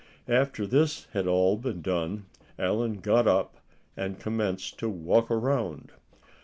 After this had all been done, Allan got up, and commenced to walk around.